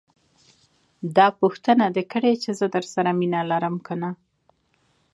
داح پوښتنه دې کړې چې زه درسره مينه لرم که نه.